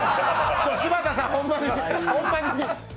柴田さんホンマに。